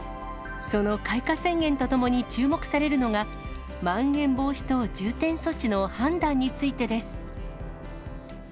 その開花宣言とともに注目されるのが、まん延防止等重点措置の判断についてです。